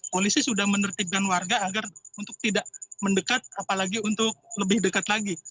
polisi sudah menertibkan warga agar untuk tidak mendekat apalagi untuk lebih dekat lagi